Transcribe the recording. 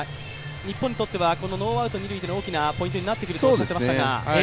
日本にとってはノーアウト二塁での大きなポイントになるということでしたが。